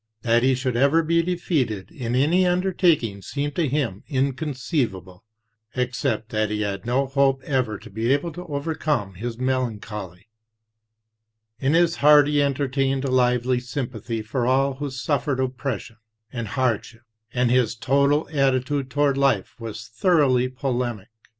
That he should ever be defeated in any undertaking seemed to him incon ceivable, except that he had no hope ever to be able to overcome his melancholy. In his heart he entertained a lively sympathy for all who suffered oppression and hardship; and his total attitude toward life was thoroughly polemic.